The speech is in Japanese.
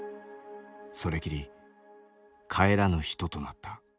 それきり帰らぬ人となった。